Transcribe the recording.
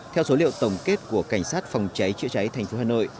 theo số liệu tổng kết của cảnh sát phòng cháy chữa cháy thành phố hà nội